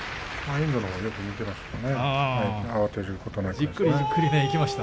遠藤のほうがよく見ていましたね。